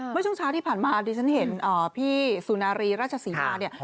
เมื่อช่วงเช้าที่ผ่านมาดิฉันเห็นพี่สุนารีราชศรีมาเนี่ย